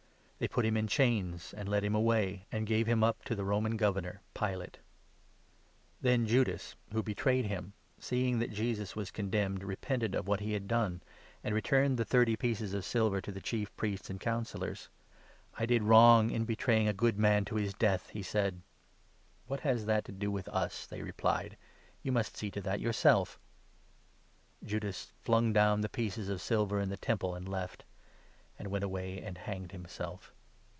They put him in chains and led 2 him away, and gave him up to the Roman Governor, Pilate. Then Judas, who betrayed him, seeing that Jesus was con 3 demned, repented of what he had done, and returned the thirty pieces of silver to the Chief Priests and Councillors. " I did wrong in betraying a good man to his death," he 4 said. " What has that to do with us ?" they replied. " You must see to that yourself." Judas flung down the pieces of silver in the Temple, and left ; 5 and went away and hanged himself.